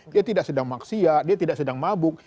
dia tidak sedang maksiat dia tidak sedang mabuk